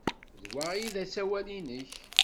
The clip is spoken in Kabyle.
D wa ay d asawal-nnek?